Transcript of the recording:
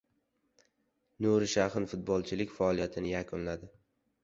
Nuri Shahin futbolchilik faoliyatini yakunladi